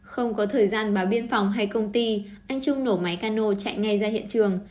không có thời gian báo biên phòng hay công ty anh trung nổ máy cano chạy ngay ra hiện trường